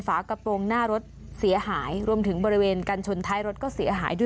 ฝากระโปรงหน้ารถเสียหายรวมถึงบริเวณการชนท้ายรถก็เสียหายด้วย